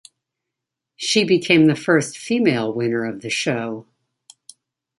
She became the first female winner of the show.